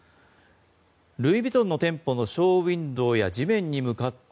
ルイ・ヴィトンの店舗のショーウインドーや地面に向かって